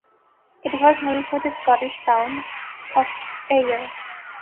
It was named for the Scottish town of Ayr.